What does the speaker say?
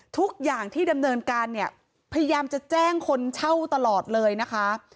ทุกอย่างที่ดำเนินการเนี่ยพยายามจะแจ้งคนเช่าตลอดเลยนะคะ